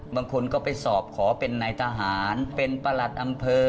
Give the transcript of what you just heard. บางคนก็ไปสอบขอเป็นนายทหารเป็นประหลัดอำเภอ